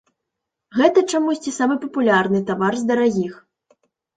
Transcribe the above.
Гэта чамусьці самы папулярны тавар з дарагіх.